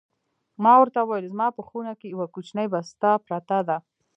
ما ورته وویل: زما په خونه کې یوه کوچنۍ بسته پرته ده.